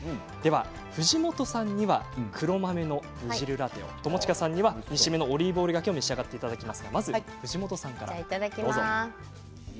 藤本さんには黒豆の煮汁ラテを友近さんには煮しめのオリーブオイルがけを召し上がっていただきます。